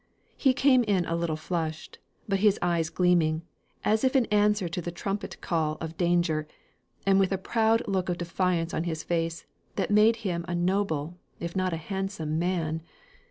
He came in a little flushed, but his eyes gleamed, as in answer to the trumpet call of danger, and with a proud look of defiance on his face, that made him a noble, if not a handsome man.